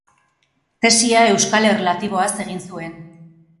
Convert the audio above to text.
Tesia euskal erlatiboaz egin zuen.